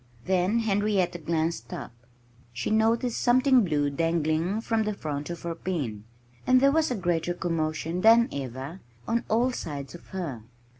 Then Henrietta glanced up. She noticed something blue dangling from the front of her pen. And there was a greater commotion than ever on all sides of her.